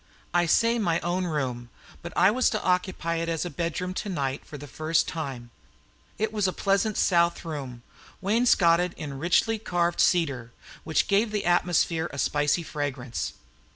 I say "my own room," but I was to occupy it as a bedroom to night for the first time. It was a pleasant south room, wainscoted in richly carved cedar, which gave the atmosphere a spicy fragrance.